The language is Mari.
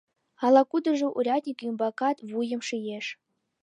Ала-кудыжо урядник ӱмбакат вуйым шиеш.